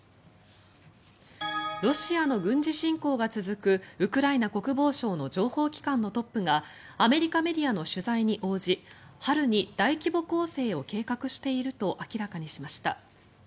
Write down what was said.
ロシアの軍事侵攻が続くウクライナ国防省の情報機関のトップがアメリカメディアの取材に応じ春に大規模攻勢を計画していると明らかにしました。